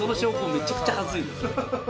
めちゃくちゃ恥ずいよ